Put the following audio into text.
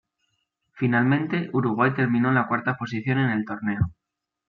Finalmente, Uruguay terminó en la cuarta posición en el torneo.